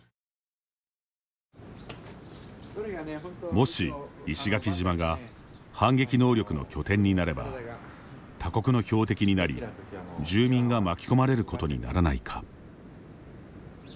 もし、石垣島が反撃能力の拠点になれば、他国の標的になり住民が巻き込まれることにならないか。